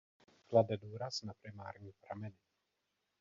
Klade důraz na primární prameny.